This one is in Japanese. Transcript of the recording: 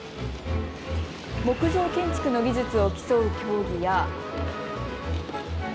木造建築の技術を競う競技や。